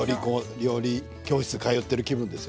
料理教室に通っている気分ですよ。